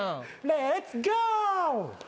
レッツゴー！